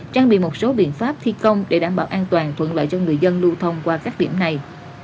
trang bị một số biện pháp thi công để đảm bảo an toàn thuận lợi cho người dân lưu thông qua các điểm này